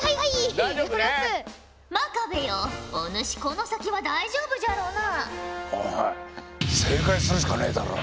真壁よお主この先は大丈夫じゃろうな？